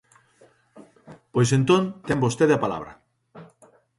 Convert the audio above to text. Pois, entón, ten vostede a palabra.